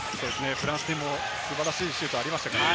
フランス戦でも素晴らしいシュートがありました。